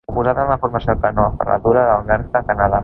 Oposat en la Formació Canó Ferradura d'Alberta, Canadà.